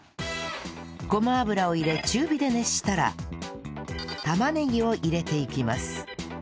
ごま油を入れ中火で熱したら玉ねぎを入れていきます